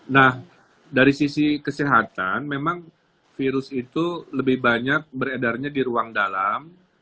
nah dari sisi kesehatan memang virus itu lebih banyak beredarnya di ruang dalam